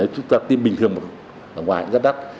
chúng ta tiêm bình thường ngoài cũng rất đắt